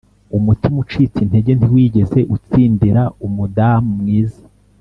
umutima ucitse intege ntiwigeze utsindira umudamu mwiza